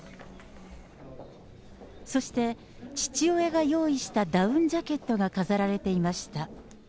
そして、父親が用意したダウンジャケットが飾られていました。